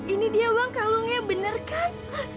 ini dia bang kalungnya bener kan